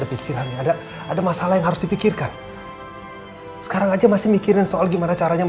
anda harus pernah khusus perasaanmu